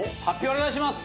お願いします。